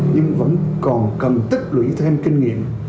nhưng vẫn còn cần tích lũy thêm kinh nghiệm